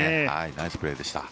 ナイスプレーでした。